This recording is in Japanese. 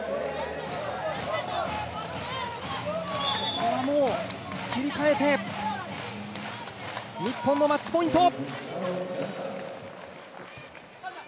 ここはもう切り替えて、日本のマッチポイント。